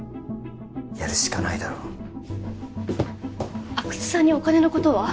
やるしかないだろ阿久津さんにお金のことは？